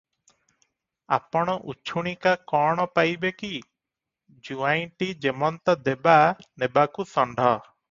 ଆପଣ ଉଛୁଣିକା କଣ ପାଇବେ କି! ଜୁଆଇଁଟି ଯେମନ୍ତ ଦେବା ନେବାକୁ ଷଣ୍ଢ ।